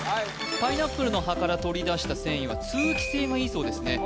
パイナップルの葉から取り出した繊維は通気性がいいそうですね